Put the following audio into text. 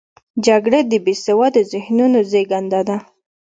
جګړه د بې سواده ذهنونو زیږنده ده